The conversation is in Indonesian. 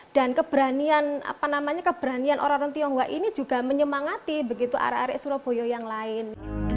dan keberanian orang orang tionghoa ini juga menyemangati arah arah surabaya yang lain